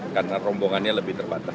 karena rombongannya lebih terbatas